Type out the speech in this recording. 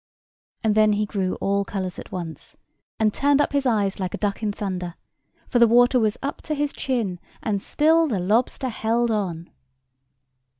And then he grew all colours at once, and turned up his eyes like a duck in thunder; for the water was up to his chin, and still the lobster held on.